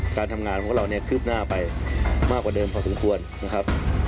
การทำงานของเราเนี่ยคืบหน้าไปมากกว่าเดิมพอสมควรนะครับ